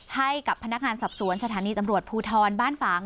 ให้กับพนักงานสอบสวนสถานีตำรวจภูทรบ้านฝาง